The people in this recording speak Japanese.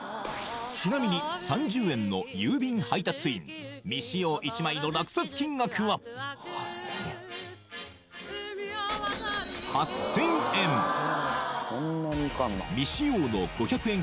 ちなみに３０円の郵便配達員未使用１枚の落札金額は未使用の５００円